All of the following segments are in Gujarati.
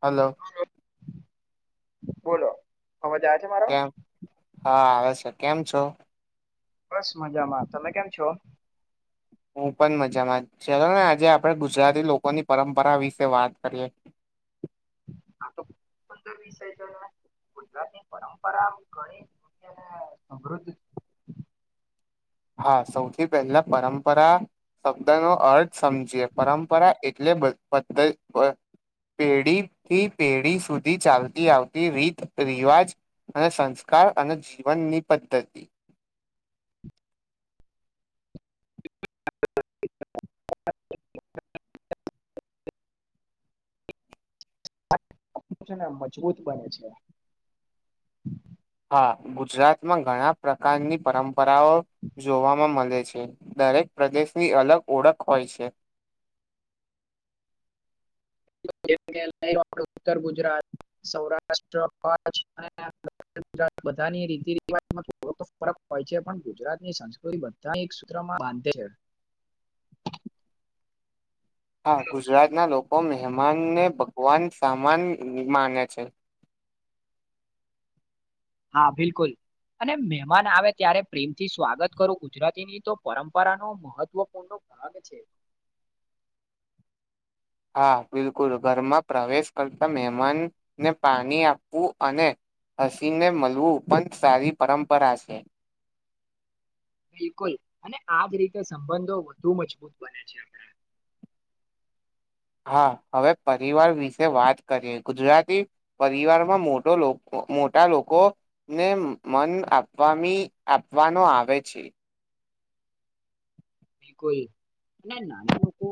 હલો બોલો મજા આવે છે, મારો કેમ હા આવે છે કેમ છો? બસ મજામાં તમે કેમ છો? હું પણ મજામાં ચાલ ને આજે આપડે ગુજરાતી લોકોની પરંપરા વિશે વાત કરીએ, [unintelligible] પંદર વીસ ગુજરાતની પરંપરા ઘણીધ અને સમૃદ્ધ [unintelligible] હા, સૌથી પહેલા પરંપરા શબ્દ નો અર્થ સમજીએ પરંપરા એટલે પંદર પેઢી થી પેઢી સુધી ચાલતી આવતી રીત રિવાજ અને સંસ્કાર સરકાર અને જીવનની પદ્ધતિ [unintelligible] છે ને મજબૂત બને છે, હા ગુજરાતમાં ઘણા પ્રકારની પરંપરાઓ જોવાવામાં મળે છે, દરેક પ્રદેશની અલગ ઓળખ હોય છે, ઉત્તર ગુજરાત સૌરાષ્ટ્ર કછરાત બધાની રી રિવાજમાં ફરક હોય છે, પણ ગુજરાત ની સંસ્કૃતિ બધા એક સૂત્રમાં બાંધે છે, [unintelligible] હા, ગુજરાત ના લોકો મહેમાન ને વન સમાન માને છે. હા, બિલકુલ અને મહેમાન આવે ત્યારે પ્રેમ થી સ્વાગત કરું ગુજરાતીની તો પરંપરા ન મહત્વપૂર્ણ આગ છે, [unintelligible] હા, બિલકુલ ઘરમાં પ્રવેશ કરતા મહેમાનને પાણી આપવું અને હસીને મળવું ઉપંત સારી પરંપરા છે, બિલકુલ અને આજ રીતે સંબંધો વધુ મજબૂત બને છે, આપણા [unintelligible] હા, હવે પરિવાર વિશે વાત કરીએ ગુજરાતી પરિવારમાં મોટો લોકો મોટા લોકોને મન આપવા આપવાનો આવે છે, બિલકુલ અને નાના લોકો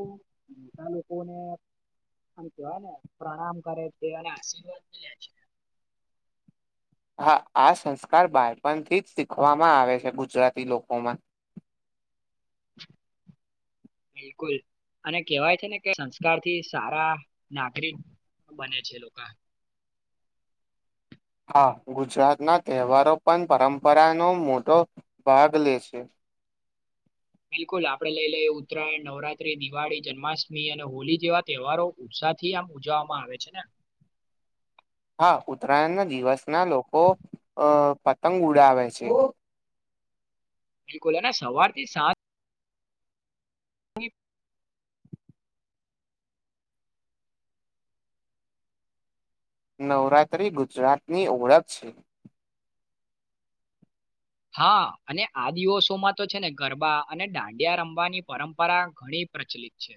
મોટા લોકોને આમ કેવાય ને પ્રણામ કરે તે આશીર્વાદ [unintelligible] હા, આ સંસ્કાર બાળપણથી જ શીખવામાં આવે છે, ગુજરાતી લોકોમાં [unintelligible] બિલકુલ અને કેવાય છે, ને કે સંસ્કાર થી સારા નાગરિક બને છે લોકો હા ગુજરાતના તહેવારો પણ પરંપરાનો મોટો ભાગ લે છે, બિલકુલ આપડે લઈ લઈએ ઉત્તરાયણ નવરાત્રી દિવાળી જન્માષ્ટમી અને હોલી જેવા તહેવારો ઉત્સા થી આમ ઉજવવામાં આવે છે, ને [unintelligible] હા ઉતરાયણના દિવસના લોકો અ પતંગ ઉડાવે છે, બિલકુલ અને સવાર થી સાત [unintelligible] નવરાત્રિ ગુજરાતની ઓળખ છે, હા અને આ દિવસોમાં તો છે, ને ગરબા અને દાંડિયા રમવાની પરંપરા ઘણી પ્રચલિત છે,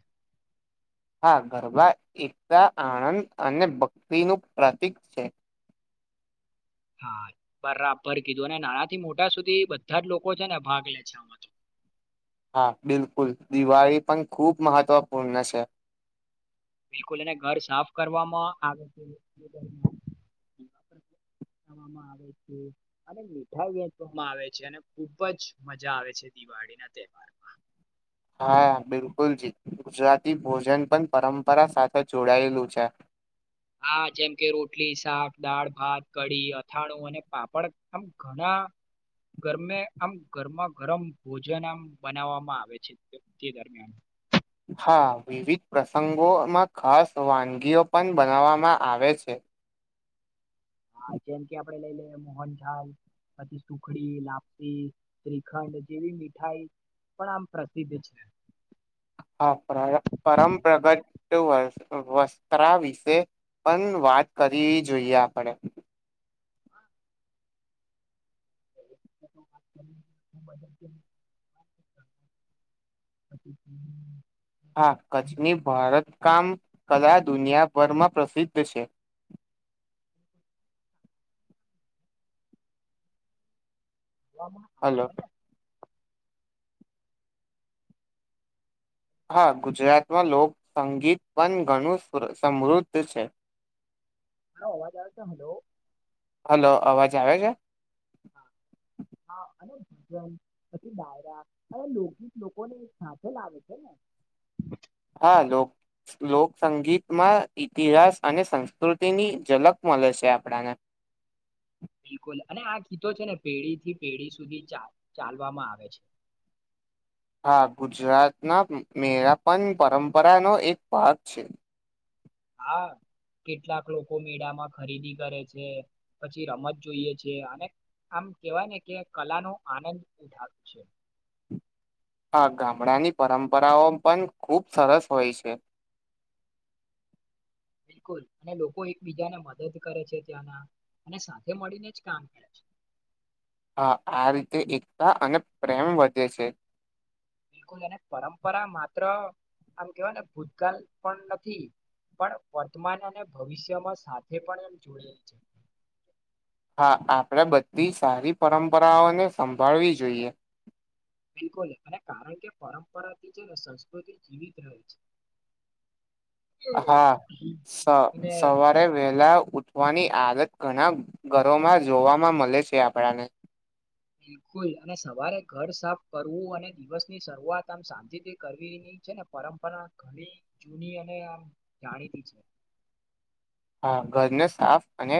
હા ગરબા એકતા આણંદ અને બકરીનું પ્રતીક છે. હા બરાબર કીધું અને નાના થી મોટા સુધી બધા જ લોકો છે ને ભાગ લે છે આમાં તો. હા બિલકુલ દિવાળી પણ ખૂબ મહત્વપૂર્ણ છે. બિલકુલ એને ઘર સાફ કરવામાં આવે છે. [inaudible] આવે અને મીઠાઈ વેચવામાં આવે છે અને ખુબજ મજા આવે છે દિવા ના તહેવાર મા. [inaudible] હા બિલકુલ જી ગુજરાતી ભોજન પણ પરંપરા સાથે જોડાયેલું છે. હા જેમ કે રોટલી શાક દાળ ભાત કઢી અથાણું અને પાપડ આમ ઘણા ણા ગરમે આમ ઘરમાં ગરમ ભોજન આમ બનાવવામાં આવે છે તે દરમિયાન. હા વિવિધ પ્રસંગોમાં ખાસ વાનગીઓ પણ બનાવવામાં આવે છે. હા જેમ કે આપડે લઈ લઈએ મોહનથાલ. પછી સુખડી લાપસી, ત્રિખંડ જેવી મીઠાઈ પણ આમ પ્રસ્ધ છે. હ પર પરંપરાગત વ વસ્ત્રા વિશે પણ વાત કરી જોઈએ આપણેે. [inaudible] [unintelligible] હા કચ્છની ભારત કામ કદાચ દુનિયાભરમાં પ્રસિદ્ધ છે. વામાં આવે હલો. છે ને હા ગુજરાતમાં લોકસંગીત પણ ઘણું સમૃદ્ધ છે. [inaudible] હા અવાજ આવ છે હલો. હલો અવાજ આવે છે? હા હા અને ભજન, પછી દાયરા લોકગીત લોકોને સાથે લાવે છે ને. [unintelligible] હા લોક લોકસંગીતમાં ઈતિહાસ અને સંસ્કૃતિની ઝલક મળે છે આપણાને. [inaudible] બિલકુલ અને આ કીતો છે ને પેઢી થી પેઢી સુધી ચ ચાલવામાં આવે છે. [inaudible] હા ગુજરાતના મેરાપન પરંપરાનો એક ભાગ છે. હા. કેટલાક લોકો મેળામાં ખરીદી કરે છે, પછી રમત જોઈએ છે અને આમ કેવાય ને કે કલા નો આનંદ ઉધાર છે. આા ગામડાની પરંપરાઓ પણ ખૂબ સરસ હોય છે. [inaudible] બિલકુલ અને લોકો એકબીજાને મદદ કરે છે ત્યાંના. અને સાથે મળીને જ કામ કરે છે. હ આ રીતે એકતા અને પ્રેમ વધે છે. બિલકુલ અને પરંપરા માત્ર આમ કેવાય ને ભૂતકાળ પણ નથી. પણ વર્તમાન અને ભવિષ્યમાં સાથે પણ એમ જોડે છે. [inaudible] આપડણે બધી સારી પરંપરાઓને સંભાળવી જોઈએ. બિલકુલ અને કારણ કે પરંપરાથી છે ને સંસ્કૃતિ જીવિત રહે છે. હા, સ અને સવારે વેલા ઉઠવાની આદત ઘણા ઘરોમાં જોવાવામાં મળે છે આપણાને. બિલકુલ અને સવારે ઘર સાફ કરવું અને દિવસની શરૂઆત આમ શાંતિથી કરવીની છે ને પરંપરા ઘણી જૂની અને આમ જાણીતી છે હા ઘરને સાફ અને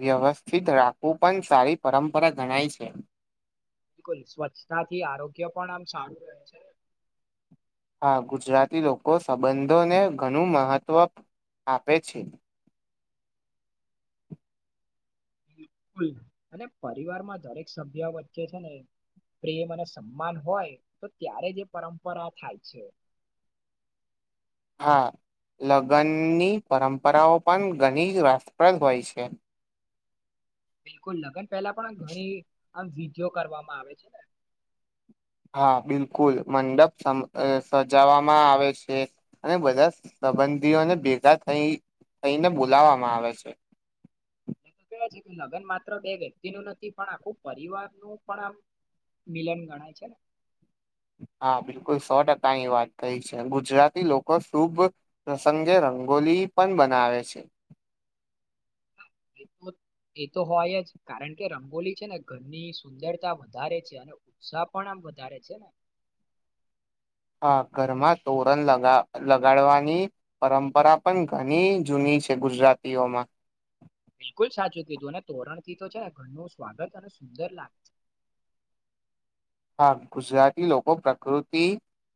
વ્યવસ્થિત રાખવું પણ સારી પરંપરા ગણાય છે બિલકુલ સ્વચ્છતાથી આરોગ્ય પણ આમ સારું રહે છે હા ગુજરાતી લોકો સંબંધોને ઘણું મહત્વ આપે છે બિલકુલ અને પરિવારમાં દરેક સભ્ય વચ્ચે છે ને પ્રેમ અને સન્માન હોય તો ત્યારે જ એ પરંપરા થાય છે હા લગ્નની પરંપરાઓ પણ ઘણી જ રાષ્ટપ્રદ હોય છે બિલકુલ લગ્ન પહેલા પણ ઘણી આમ વિધિઓ કરવામાં આવે છે ને હા બિલકુલ મંડપ સમ અ સજાવામાં આવે છે અને બધાં સબં ધીઓને ભેગા થઈ થઈને બોલાવવામાં આવે છે એ તો કેવા છે કે લગ્ન માત્ર બે વ્યક્તિનુ નથી પણ આખું પરિવારનું પણ આમ મિલન ગણાય છે હા બિલકુલ સો ટકાની વાત કઈ છે ગુજરાતી લોકો શુભ પ્રસંગે ર ગોલી પણ બનાવે છે [inaudible] એ તો હોય જ કારણ કે રંગોલી છે ને ઘરની સુંદરતા વધારે છે અને ઉત્સાહ પણ આમ વધારે છે ને [inaudible] હા ઘરમાં તોરણ લગા લગાડવાની પરંપરા પણ ઘણી જૂની છે ગુજરાતીઓમાં બિલકુલ સાચું કીધું અને તોરણથી તો છે ઘરનું સ્વાગત અને સુંદર લાગ હા ગુજરાતી લોકો પ્રકૃતિ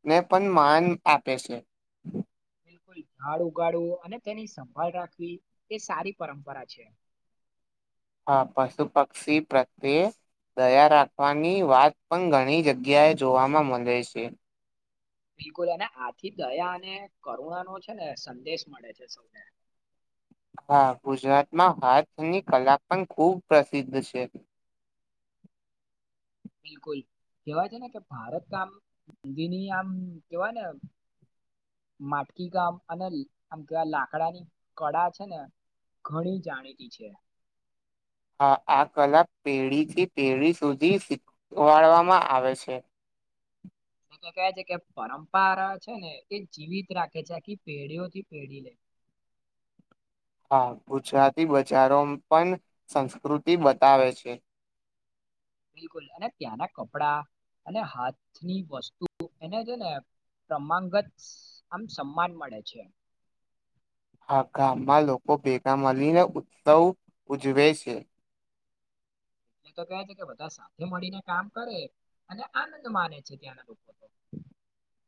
ને પણ માન આપે છે બિલકુલ ઝાડ ઉગાડવું અને તેની સંભાળ રાખવી એ સારી પરંપરા છે હા પશુ પક્ષી પ્રત્યે દયા રાખવાની વાત પણ ઘણી જગ્યાએ જોવાવામાં મળે છે બિલકુલ અને આથી દયા અને કરુણાનો છે ને સંદેશ મળે છે સૌને [inaudible] હા ગુજરાતમાં હાથની કલા પણ ખુબ પ્રસિદ્ધ છે બિલકુલ કેવાય છે ને કે ભારત આમ ધીની આમ કેવાય ને માટકી કામ અને આમ કેવાય લાકડાની કળા છે ને ઘણી જાણીતી છે આ આ કલા પેઢીથી પેઢી સુધી શીખવાડવામાં આવે છે કહે છે કે પરંપરા છે ને એ જીવિત રાખે છે આખી પેઢીઓથી પેઢીને હ હા ગુજરાતી બજારો પન સંસ્કૃતિ બતાવે છે બિલકુલ અને ત્યાંના કપડા અને હાથની વસ્તુ એને જે ને ક્રમાંંગત આમ સમાન મળે છે આ ગામમાં લોકો ભેગા મળીને ઉત્સવ ઉજવે છે એ તો કે છે કે બધા સાથે મળીને કામ કરે અને આનંદ માને છે ત્યાંના લોકો તો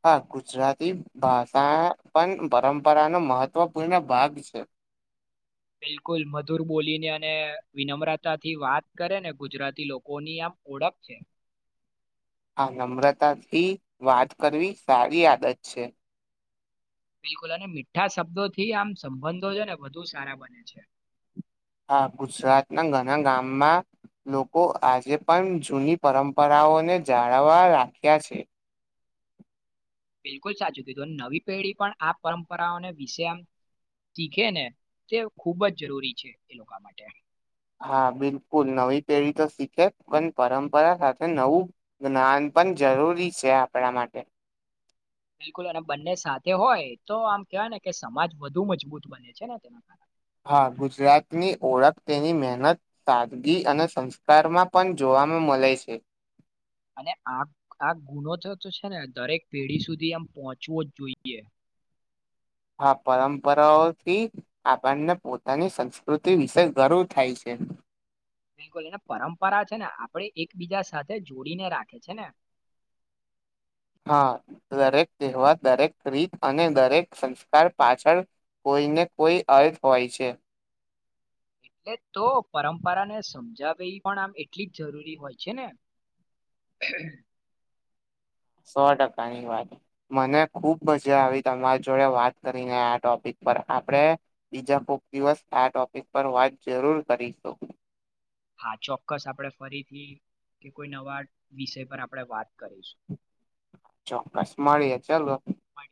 હા ગુજરાતી ભાષા પણ પરંપરાનો મહત્વપૂર્ણ ભાગ છે બિલકુલ મધુર બોલીને અને વિનમ્રતાથી વાત કરે ને ગુજરાતી લોકોની આમ ઓળખ છે આ નમ્રતાથી વાત કરવી સારી આદત છે બિલકુલ અને મીઠા શબ્દો થી આમ સંબંધો છે ને વધુ સારા બને છે હા ગુજરાત ના ઘણા ગામમાં લોકો આજે પણ જૂની પરંપરાઓને જાળવા રાખ્યા છે બિલકુલ સાચું કીધું નવી પેઢી પણ આ પરંપરાઓને વિશે આમ શીખે ને તે ખૂબ જ જરૂરી છે એ લોકો માટે હા બિલકુલ નવી પેઢી તો શીખે પણ પરંપરા સાથે નવું જ્ઞાન પણ જ જરૂરી છે આપણા માટે બિલકુલ અને બંને સાથે હોય તો આમ કેહેવાય ને કે સમાજ વધુ મજબૂત બને છે ને તેના કારણે હા ગુજરાતની ઓળખ તેની મહેનત સાદગી અને સંસ્કારમાં પણ જોવા નું મળે છે અને આ આ ગુનો તો છે ને દરેક પેઢી સુધી આમ પહોંચવો જ જોઈએ હા પરંપરાઓથી આપણને પોતાની સંસ્કૃતિ વિશે ગર્વ થાય છે બિલકુલ એને પરંપરા છે ને આપડે એકબીજા સાથે જોડીને રાખે છે ને હા દરેક તેવા દરેક રીત અને દરેક સંસ્કાર પાછળ કોઈને કોઈ અર્થ હોય છે એટલે તો પરંપરાને સમજાવેવી પણ આમ એટલી જ જરૂરી હોય છે ને [unintelligible] સો ટકાની વાત મને ખુબ મજા આવી તમારી જોડે વાત કરીને આ ટોપિક પર આપણે બીજા કોક દિવસ આ ટોપિક પર વાત જરૂર કરીશું હા ચોક્કસ આપડણે ફરીથી કે કોઈ નવા વિષય પર આપણેે વાત કરીશું ચોક્કસ મળીએ ચાલો મળી